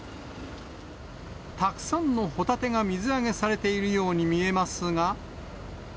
たくさんのホタテが水揚げされているように見えますが。